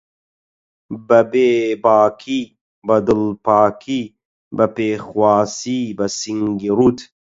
بەبێ باکی، بەدڵپاکی، بەپێخواسی بەسینگی ڕووت